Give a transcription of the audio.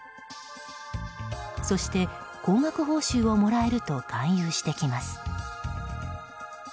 そして、高額報酬をもらえると勧誘してきます。